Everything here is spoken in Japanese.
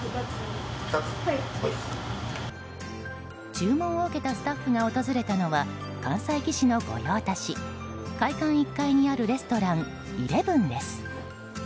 注文を受けたスタッフが訪れたのは関西棋士の御用達会館１階にあるレストランイレブンです。